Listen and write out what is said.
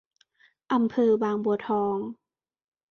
อำเภอบางบัวทอง